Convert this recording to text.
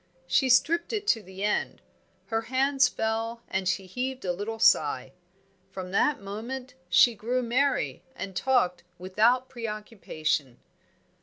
She stripped it to the end; her hands fell and she heaved a little sigh. From that moment she grew merry and talked without pre occupation.